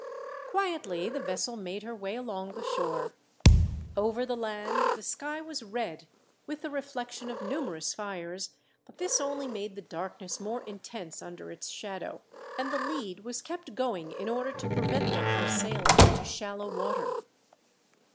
Quietly the vessel made her way along the shore. Over the land, the sky was red with the reflection of numerous fires, but this only made the darkness more intense under its shadow, and the lead was kept going in order to prevent them from sailing into shallow water.